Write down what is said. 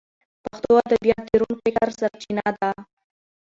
پښتو ادبیات د روڼ فکر سرچینه ده.